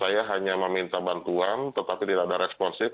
saya hanya meminta bantuan tetapi tidak ada responsif